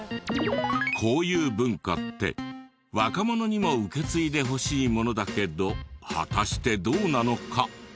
こういう文化って若者にも受け継いでほしいものだけど果たしてどうなのか？